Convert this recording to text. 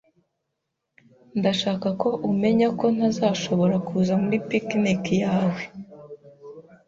Ndashaka ko umenya ko ntazashobora kuza muri picnic yawe